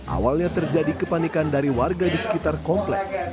awalnya terjadi kepanikan dari warga di sekitar komplek